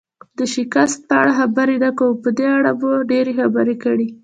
د شکست په اړه خبرې نه کوو، په دې اړه مو ډېرې خبرې کړي.